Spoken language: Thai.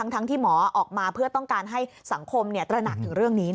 ทั้งที่หมอออกมาเพื่อต้องการให้สังคมตระหนักถึงเรื่องนี้